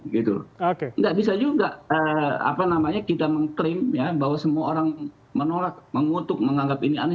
nggak bisa juga kita mengklaim bahwa semua orang menolak mengutuk menganggap ini aneh